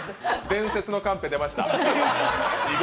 伝説のカンペが出ました。